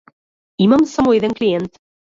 Имам само еден клиент.